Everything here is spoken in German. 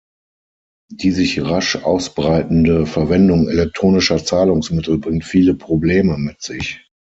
Die sich rasch ausbreitende Verwendung elektronischer Zahlungsmittel bringt viele Probleme mit sich.